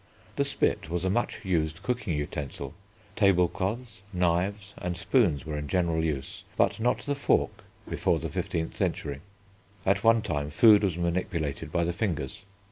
The spit was a much used cooking utensil. Table cloths, knives, and spoons were in general use, but not the fork before the fifteenth century. At one time food was manipulated by the fingers.